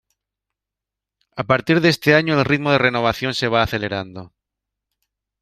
A partir de este año el ritmo de renovación se va acelerando.